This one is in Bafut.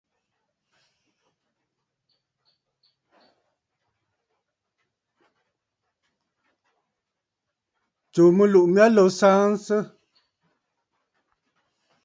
Tsùù mɨlùʼù mya lǒ saansə!